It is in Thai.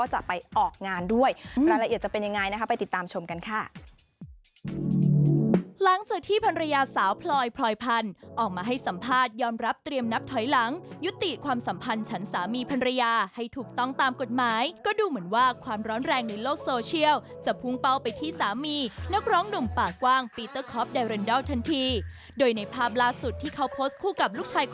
หลังจากที่ภรรยาสาวพลอยพลอยพันธุ์ออกมาให้สัมภาษณ์ยอมรับเตรียมนับถอยหลังยุติความสัมพันธ์ฉันสามีภรรยาให้ถูกต้องตามกฎหมายก็ดูเหมือนว่าความร้อนแรงในโลกโซเชียลจะพุ่งเป้าไปที่สามีนักร้องหนุ่มปากกว้างปีเตอร์คอฟไดเรนดอลทันทีโดยในภาพล่าสุดที่เขาโพสต์คู่กั